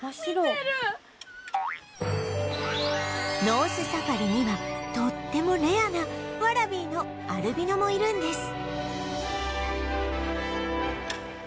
ノースサファリにはとってもレアなワラビーのアルビノもいるんです